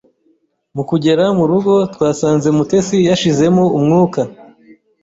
Mukugera mu rugo twasanze mutesi yashizemo umwuka